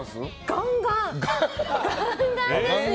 ガンガンですよ！